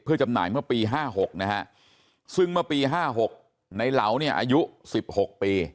จำหน่ายเมื่อปี๕๖นะฮะซึ่งเมื่อปี๕๖ในเหลาเนี่ยอายุ๑๖ปี